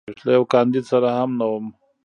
له یوه کاندید سره هم نه وم.